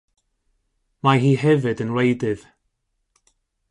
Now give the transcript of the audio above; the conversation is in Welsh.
Mae hi hefyd yn wleidydd.